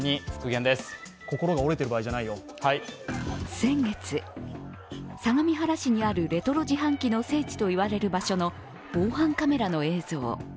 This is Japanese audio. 先月、相模原市にあるレトロ自販機の聖地と言われている場所の防犯カメラの映像。